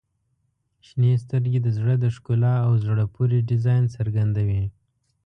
• شنې سترګې د زړه د ښکلا او زړه پورې ډیزاین څرګندوي.